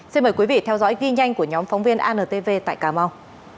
xin mời quý vị theo dõi ghi nhanh của nhóm phóng viên antv tại cà mau